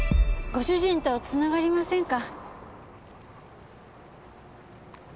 ご主人と繋がりませんか？